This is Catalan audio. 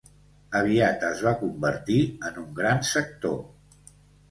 Aviat es va convertir en un gran sector.